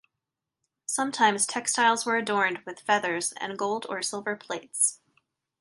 Sometimes textiles were adorned with feathers and gold or silver plates.